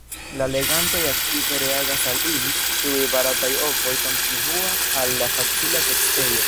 La legantoj aktive reagas al ili; iuj barataj “ovoj” kontribuas al la facila tekstejo.